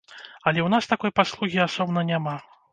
Але ў нас такой паслугі асобна няма.